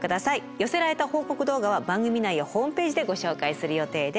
寄せられた報告動画は番組内やホームページでご紹介する予定です。